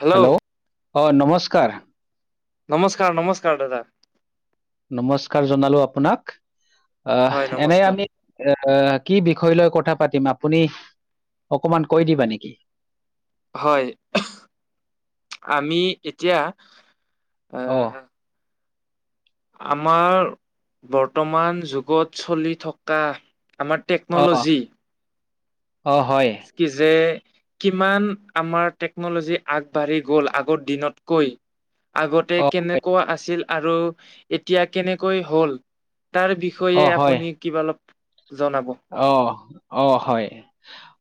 Hello hello! অঁ নমস্কাৰ। নমস্কাৰ নমস্কাৰ দাদা। নমস্কাৰ জনালো আপোনাক আহ হয় এনে নমস্কাৰ আমি- এ কি বিষয় লৈ কথা পাতিম আপুনি অকমান কৈ দিবা নেকি? হয় আমি এতিয়া? অ- আহ আমাৰ বৰ্তমান যুগত চলি থকা আমাত- টেকন'লজী অঁ হয় কি যে- কিমান আমাৰ টেকনলজি আগবাঢ়ি গল আগৰ দিনতকৈ- আগতে অ হয় কেনেকুৱা আছিল আৰু এতিয়া কেনেকৈ হল- তাৰ অ বিষয়ে আপুনি কিবা অলপ জনাব- অঁ অঁ হয়ঁ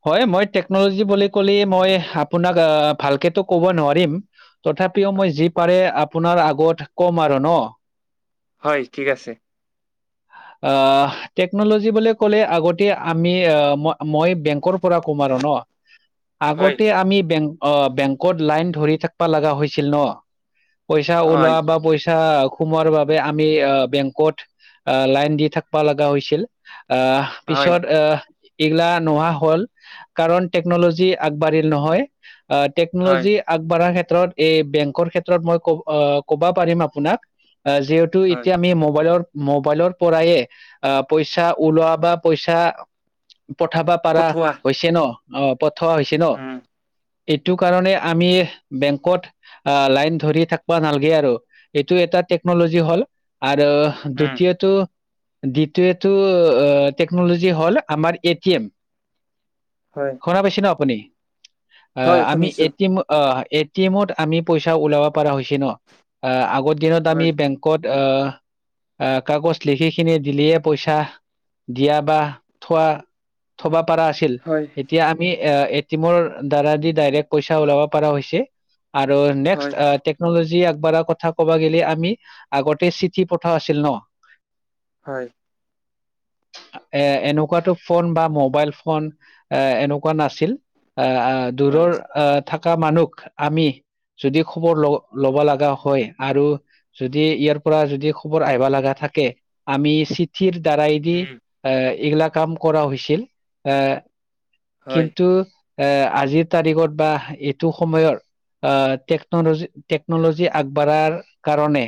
হয় মই টেকনলজি বুলি কলে মই আপোনাক আহ ভালকেতো কব নোৱাৰিম। তথাপিও মই যি পাৰে আপোনাৰ আগত কম আৰু ন। হয় ঠিক আছে। আহঁ টেকনলজি বুলি। ক'লে আগতে আমি মই বেংকৰ পৰা কম আৰু ন। হয় আগতে আমি বেংক অঁ বেংকত লাইন ধৰি থাকি বা লাগা হৈছিল ন। পইচা হয় ওলোৱা বা পইচা- সোমোৱাৰ বাবে আমি আহ বেংকত লাইন দি থাকবা লগা হৈছিল। আঁ হয় পিছত আহ- এইগিলা নোহোৱা হল কাৰণ টেকনলজি আগবাঢ়িল নহয় আহ। হয় টেকনলজী- আগবঢ়াৰ ক্ষেত্ৰত এই বেংকৰ ক্ষেত্ৰত মই ক'বা পাৰিম আপোনাক যিহে। তো হয় এতিয়া আমি মোবাইলৰ মোবাইলৰ পৰাই আঁ পইচা- ওলোৱা বা পইচা পঠাবা পাৰা পঠোৱা হৈছে ন। অঁ পঠোৱা হৈছে ন উম এইটো কাৰণে আমি বেংকত- আঁ লাইন ধৰি থাকব নালাগে আৰু এইটো এটা টেকনলজি হ'ল আৰু- উম দ্বিতীয়টো দ্বিতীয়টো অঁ টেকনলজি হ'ল আমাৰ এ টি এম। হয়। শুনা পাইছে ন আপুনি আঁ হয় আমি শুনিছো এ টি এম আঁ এ- টিমত আমি পইচা ওলাব পাৰা হৈছে ন আগৰ দিনত আমি হয় বেং- কত আঁ কাগজ লিখিকিনি দিলেই পইচা- দিয়া বা থোৱা থবা পাৰা আছিল- হয় এতিয়া আমি এ এ টি এমৰ দ্বাৰা দি ডাইৰেক্ট পইচা ওলাব পৰা হৈছে। আৰু নেক্সট্ হয় টেক্সট নলেজি আগবঢ়াৰ কথা কব গ'লে আমি আগতে চিঠি পঠাও আছিল ন। হয়ঁ! এ এনেকুৱাতো ফোন বা মোবাইল ফোন এ এনেকুৱা নাছিল আ আ। হয় দূৰৰ আহ থকা মানুহক আমি- যদি খবৰ ল ল'ব লগা হয় আৰু- যদি ইয়াৰ পৰা যদি খবৰ আহিবা লগা থাকে আমি চিঠিৰ- দ্বাৰাইদি উম আহ এইগিলা কাম কৰা হৈছিল এ। হয় কিন্তু এ আজিৰ তাৰিখত বা এইটো সময়ৰ আহ টেক্নলজি টেক্নলজি আগবাঢ়াৰ কাৰণে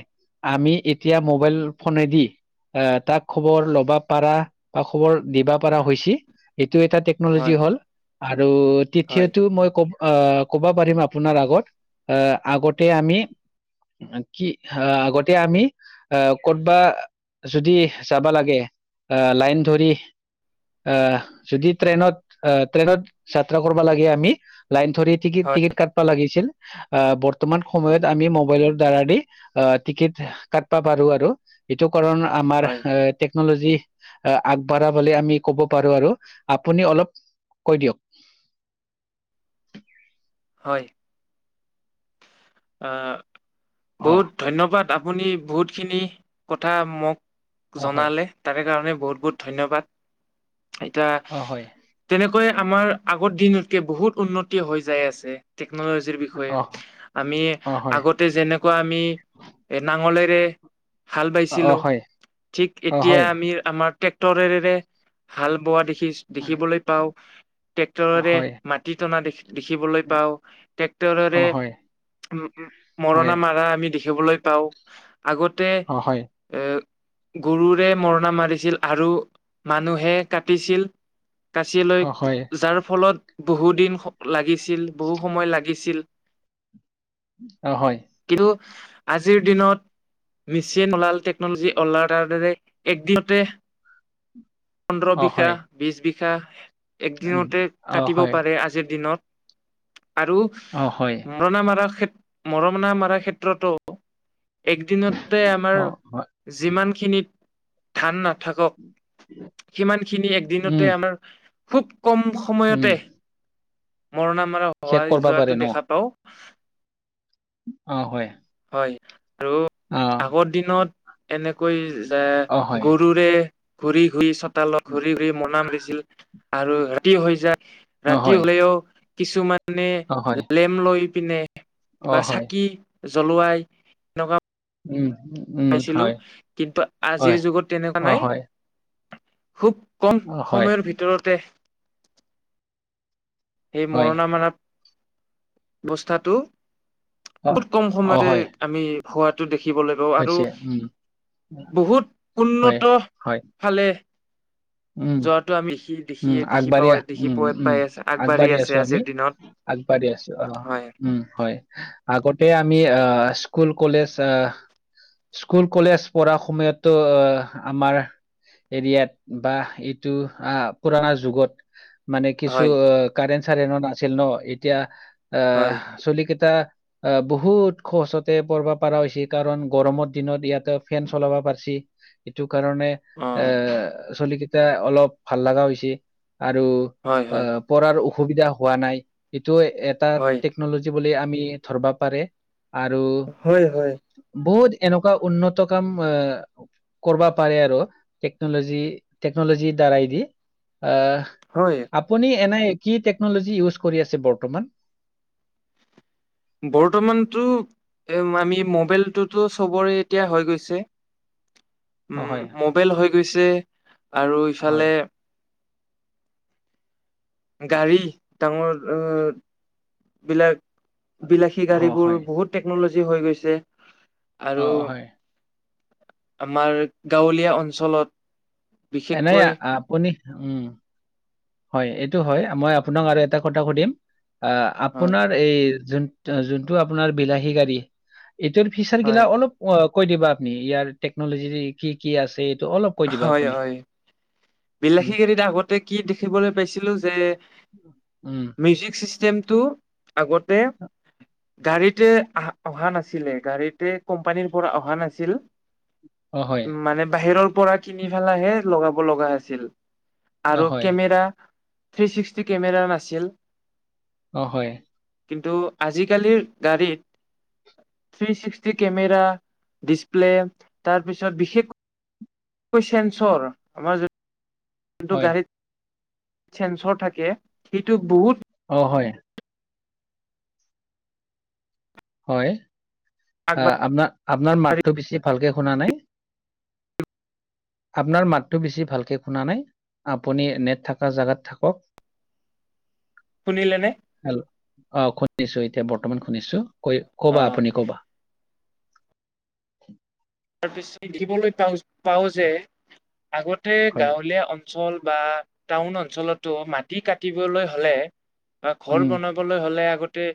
আমি এতিয়া মোবাইল ফোনেদি অ তাক খবৰ লবা পাৰা বা খবৰ দিবা পাৰা হৈছি, এইটো এটা টেক্নলজি হয় হ'ল। আৰু হয় তৃথিয়তো মই কব অ ক'বা পাৰিম আপোনাৰ আগত আহ আগতে আমি কি হাহ আগতে আমি আহ ক'তবা যদি যাবা লাগে অ লাইন ধৰি আহ যদি ট্ৰেইনত আহ ট্ৰেইনত যাত্ৰা কৰ্বা লাগে আমি লাইন ধৰি টিকিট হয় টিকিট কাটবা লাগিছিল। অ বৰ্তমান হয় সময়ত আমি মোবাইলৰ দ্বাৰা দি আহ টিকিট কাটবা পাৰো আৰু এইটো কৰণ আমাৰ হয় এ টেক্নলজি আগবাঢ়া বুলি আমি কব পাৰো আৰু। আপুনি অলপ কৈ দিয়ক। হয়। আহ অ বহুত ধন্যবাদ আপুনি বহুতখিনি কথা মোক অ হয় জনালে তাৰে কাৰণে বহুত বহুত ধন্যবাদ। এতা অ হয় তেনেকৈ আমাৰ আগৰ দিনতকে বহুত উন্নতি হৈ যাই আছে টেক্নলজিৰ বিষয়ে। অ এ অ হয় আগতে যেনেকুৱা আমি এ নাঙলেৰে হাল অ বাইছিলো হয় ঠিক অ এতিয়া হয় আমিৰ আমাক ট্ৰেক্টৰেৰেৰে হাল বোৱা দেখি দেখিবলৈ পাওঁ, অ ট্ৰেক্টৰে হয় মা টি তনা দে দেখিবলৈ পাওঁ, অ ট্ৰেক্টৰেৰে হয় হয় মৰণা মাৰা আমি দেখিবলৈ পাও। আগতে অ হয় এ গৰুৰে মৰণা মাৰিছিল আৰু মানুহে কাটিছিল কাচিলৈ অ হয় যাৰ ফলত বহু দিন লাগিছিল বহু সময় লাগিছিল। অ হয়। কিন্তু আজিৰ দিনত মেচিন ওলাল টেক্নলজি ওলাৰ তাৰদৰে একদিনতে পোন্দৰ অ বিখা হয় বিছ বিখা উম, একদিনতে অ কাটিব হয় পাৰে আজিৰ দিনত আৰু অ হয়। মৰণা মাৰা ক্ষেত মৰণা মাৰাৰ ক্ষেত্ৰতো একদিনতে আমাৰ অ হয় যিমানখিনিত ধান না থাকক সিমানখিনি এক উম দিনতে আমাৰ খুব কম স উম ময়তে মৰণা মাৰা শেষ হোৱাই কৰবা পাৰে যোৱাটো ন দেখা পাও। অ হয়। হয় আৰু অ আগৰ দিনত এনেকৈ যে অ হয় গৰুৰে ঘূৰি-ঘূৰি চ তালত ঘূৰি-ঘূৰি মৰণা মাৰিছিল আৰু ৰাতি হৈ যায় অ ৰাতি হয় হলেও কিছুমানে অ হয় লেম লৈ পিনে অ বা হয় চাকি জ্বলোৱাই তেনেকুৱা উম। পাইছিলো হয় কিন্তু হয় আজিৰ যুগত তেনেকুৱা অ নাই। হয় খুব কম অ হয় সময়ৰ ভিতৰতে সেই হয় মৰণা মাৰা বস্থাটো অ বহুত কম অ সময়তে হয় আমি হোৱাটো দেখিবলৈ পাওঁ, আৰু হৈছে উম বহুত হয় উন্নত হয় ফালে উম যোৱাটো আমি খি উম দেখিয়ে দেখি আগবাঢ়ি আ পোৱাই দেখি উম পোৱাই উম পাই আছে আগবাঢ়ি আছে আছো আমি আজিৰ দিনত। আগবাঢ়ি আছো অ হয় উম হয়। আগতে আমি আহ স্কুল কলেজ আহ স্কুল কলেজ পঢ়া সময়তো আমাৰ এৰিয়াত বা এইটো আহ পুৰণা যুগত মানে কিছু হয় অ কাৰেণ চাৰেন নাছিল ন এতিয়া আহ হয় চুলি কেইটা আহ বহুত সহজতে পঢ়ব পৰা হৈছি কাৰণ গৰমৰ দিনত ইয়াতে ফেন চলাব পাৰছি। এইটো কাৰণে অ এ চলিকেইটা অলপ ভাল লগা হৈছে আৰু হয় হয় আহ পৰাৰ অসুবিধা হোৱা নাই। এইটো এটা হয় টেকনলজি বুলি আমি ধৰব পাৰে। আৰু হয় হয় বহুত এনেকুৱা উন্নত কাম এ কৰবা পাৰে আৰু টেকনলজি টেকনলজি দ্বাৰাই দি আ হয়। আপুনি এনেই কি টেকনলজি ইউজ কৰি আছে বৰ্তমান? বৰ্তমানতো এ আমি মোবাইলটোতো চবৰে এতিয়া হৈ গৈছে। অ' উম হয়, মোবেল হৈ গৈছে আৰু হয়। ইফালে গাড়ী ডাঙৰ অ বিলাক বিলাক সেই অ' গাড়ীবোৰ হয়, বহুত টেকনলজি হৈ গৈছে আৰু অ' অ' হয়। আমাৰ গাঁৱলীয়া অঞ্চলত এনেই বিশেষকৈ আপুনি উম। হয় এইটো হয়, মই আপোনাক আৰু এটা কথা সুধিম আ হয় আপোনাৰ এই যোনটো যোনটো আপোনাৰ বিলাহী গাড়ী এইটোৰ ফিচাৰ গিলা হয় অলপ অ', কৈ দিবা আপুনি ইয়াৰ টেকনলজি কি কি আছে এইটো অলপ কৈ দিবা হয় আপুনি। হয়। উম, বিলাসী গাড়ীত আগতে কি দেখিবলৈ পাইছিলো যে উম। মিউজিক ছিষ্টেমটো আগতে গাড়ীতে অহা নাছিলে, গাড়ীতে কোম্পানীৰ পৰা অহা নাছিল। অ' হয়, মানে বাহিৰৰ পৰা কিনি পেলাহে লগাব লগা হৈছিল। অ' আৰু হয়, কেমেৰা থ্ৰী ছিক্সটি কেমেৰা নাছিল। অঁ হয়। কিন্তু আজিকালিৰ গাড়ীত থ্ৰী ছিক্সটি কেমেৰা, ডিচপ্লে তাৰপিছত বিশেষ কৈ চেঞ্চৰ আমাৰ যে যোনটো হয়, হয়। গাড়ীত চেঞ্চৰ থাকে সেইটো বহুত অ' হয়। হয়, আ আগবাঢ়ি আপোনাৰ আপোনাৰ মাতটো বেছি ভালকে শুনা নাই। আপোনাৰ মাতটো বেছি ভালকে শুনা নাই, আপুনি নেট থকা জাগাত থাকক। [inaudible] শুনিলে নে? হেল্ল অ শুনিছো এতিয়া বৰ্তমান শুনিছো, কৈ অ কবা আপুনি কবা। তাৰ পিছ [unintelligible] পা পাওঁ যে আগতে হয়। গাঁৱলীয়া অন অঞ্চল বা টাউন অঞ্চলতো মাটি কাটলৈ হলে বা ঘৰ উম বনা তললৈ হ'লে আগতে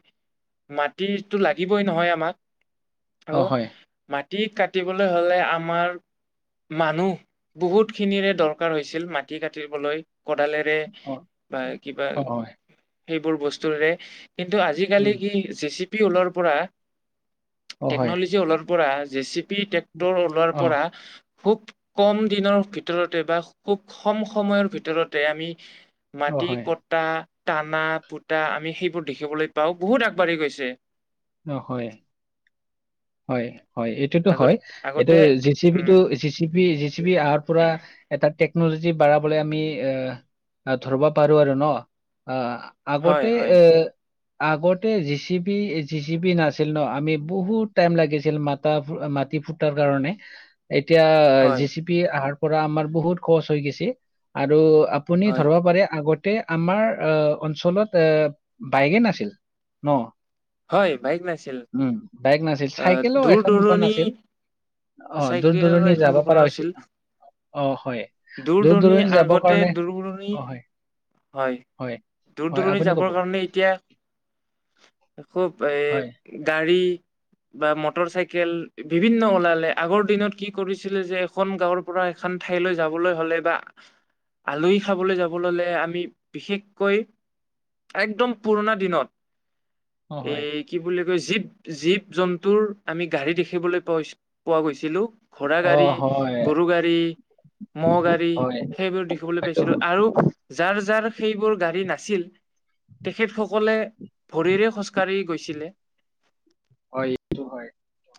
মাটিতো লাগিবই নহয় আমাক। আৰু অ হয় মাটি কাটিবলৈ হলে আমাৰ মানুহ বহুত খিনিৰে দৰকাৰ হৈছিল মাটি কাটিবলৈ। কোদালেৰে অ বা কিবা অ হয় সেইবোৰ বস্তুৰে কিন্তু উম আজিকালি কি জে চি পি ওলোৱাৰ পৰা অ হয়। টেকনলজি লৰ [unintelligible] পৰা জে চি পি টেক্টৰ ওলোৱাৰ অ পৰা খুব কম দিনৰ ভিতৰতে বা খুব কম সময়ৰ ভিতৰতে আমি অ মাটি হয় কটা টানা পুটা আমি সেইবোৰ দেখিবলৈ পাওঁ বহুত আগবাঢ়ি গৈছে। অহ' হয় হয় হয় এইটোতো আগত হয় এইটো আগতে জি চি বি টো, উম G C B, G C B অহাৰ পৰা এটা টেকনলজি বাঢ়াবলৈ আমি এ অহ ধৰিব পাৰো আৰু ন' আহ। হয় আগতে হয় এ, আগতে জিচি বি জি চি বি নাছিল ন' আমি বহুত টাইম লাগিছিল মাতা মাটি ফুটাৰ কাৰণে। এতিয়া হয় জে চি পি আহাৰ পৰা আমাৰ বহুত সহজ হৈ গেইছি আৰু আপুনি হয় ধৰবা পাৰে আগত আগতে আমাৰ অহ অঞ্চলত এ বাইকে নাছিল ন'। হয় বাইক নাছিল। উম' বাইক নাছিল আহ চাইকেলো দূৰ এখন দুখন দূৰণি নাছিল। অহ' দূৰ চাইকেলৰ দূৰণি এখন যাব দুখন পৰা হৈছিল আছিল অহ' হয়। দূৰ দূৰণি দূৰণিৰ যাবৰ আগতে কাৰণে দূৰণি। অ হয় হয়, দূৰ হয় দূৰণি আপুনি ক'ব যাবৰ কাৰণে এতিয়া খুউব এ হয় গাড়ী। বা মটৰ চাইকেল বিভিন্ন ওলালে আগৰ দিনত কি কৰিছিলে যে এখন গাঁৱৰ পৰা এখন ঠাইলৈ যাবলৈ হ'লে বা আলহী খাবলৈ যাব ল'লে আমি বিশেষকৈ একদম পুৰণা দিনত। অ হয় এই কি বুলি কৈছিল জীৱ-জীৱ-জন্তুৰ আমি গাড়ী দেখিবলৈ পো-পোৱা গৈছিলোঁ। ঘো়ড়া অ গাড়ী হয় গৰু গাড়ী। মহগাড়ী হয় সেইবোৰ দেখিবলৈ সেইটো পাইছিলোঁ আৰু যাৰ যাৰ সেইবোৰ গাড়ী নাছিল তেখেতসকলে ভৰিৰে খোজ কঢ়ি গৈছিলে। হয়, এইটো হয়।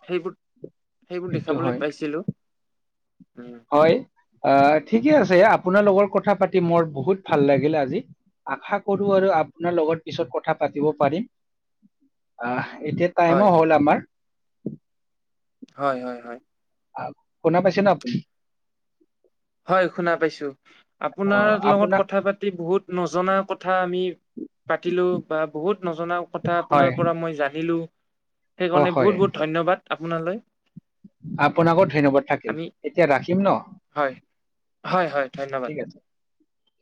সেইবোৰ সেইবোৰ সেইটো দেখাবলৈ হয় পাইছিলোঁ। হয় আহ ঠিকে আছে আপোনাৰ লগৰ কথা পাতি মোৰ বহুত ভাল লাগিলে আজি। আশা কৰো আৰু আপোনাৰ লগত পিছত কথা পাতিব পাৰিম। আহ এতিয়া হয় টাইমো হ'ল আমাৰ। হয়, হয়, হয়। আপ, শুনা পাইছেনে আপ হয় শুনা পাইছোঁ অ আপোনাৰ লগত আপোনাক কথা পাতি বহুত নজনা কথা আমি পাতিলোঁ বা বহুত নজনা কথা হয় আপোনাৰ পৰা মই জানিলোঁ। অ সেইকাৰণে হয় বহুত বহুত ধন্যবাদ আপোনালৈ। আপোনাকো ধন্যবাদ থাকিল আমি এতিয়া ৰাখিম ন'। হয় হয় হয় ধন্যবাদ ঠিক আছে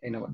ধন্যবাদ।